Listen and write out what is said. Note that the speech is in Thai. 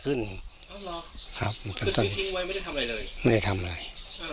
เคยเจอเสียกันยินไหมลงทะเท่าเนี่ย